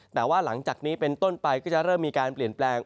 แต่ว่าหลังจากนี้เป็นต้นไปก็จะเริ่มมีการเปลี่ยนแปลง